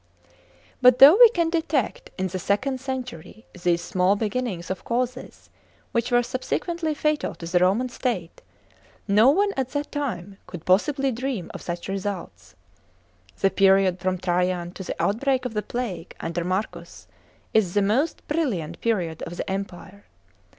§ 3. But though we can detect in the second century these small beginnings of causes which were subsequently fatal to the Roman state, no one at that time could possibly dream of such results. The period from Trajan to the outbreak of the plague under Marcus, is the most brilliant period of the Empire.